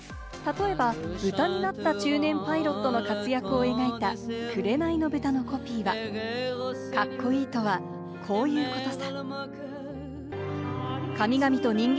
例えば豚になった中年パイロットの活躍を描いた『紅の豚』のコピーは「カッコいいとは、こういうことさ」。